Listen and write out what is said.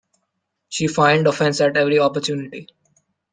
She feigned offense at every opportunity.